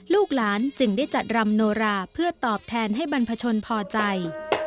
ลูกหลานจึงได้จัดรำโนราเพื่อตอบแทนให้บรรพชนพอใจ